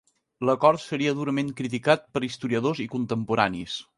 L'acord seria durament criticat per historiadors i contemporanis.